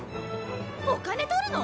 お金取るの⁉